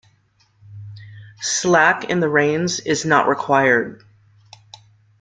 Slack in the reins is not required.